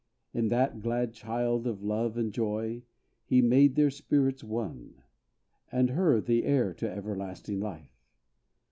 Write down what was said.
In that glad child Of Love and Joy, he made their spirits one; And her, the heir to everlasting life!